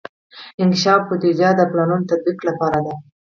انکشافي بودیجه د پلانونو تطبیق لپاره ده.